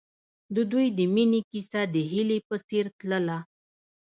د دوی د مینې کیسه د هیلې په څېر تلله.